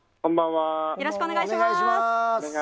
よろしくお願いします。